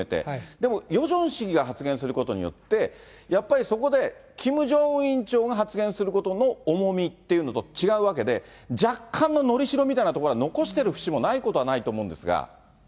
でもヨジョン氏が発言することによって、やっぱり、そこでキム・ジョンウン委員長が発言することの重みっていうのと違うわけで、若干の伸びしろみたいなところは、残してる節もないことはないと思うんですが。